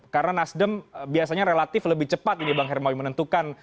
karena nasdem biasanya relatif lebih cepat ini bang hermawi menentukan